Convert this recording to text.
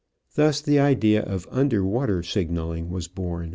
Thus the idea of underwater signaling was born.